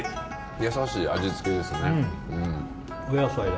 優しい味付けですね。